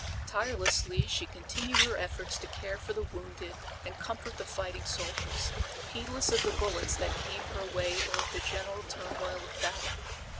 Tirelessly she continued her efforts to care for the wounded and comfort the fighting soldiers, heedless of the bullets that came her way or of the general turmoil of battle.